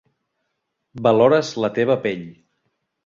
Valores la teva pell.